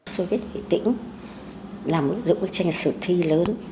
sơn viết nghệ tĩnh là một bức tranh sửa thi lớn